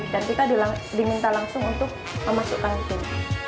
dan kita diminta langsung untuk memasukkan pin